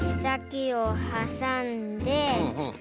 けさきをはさんで。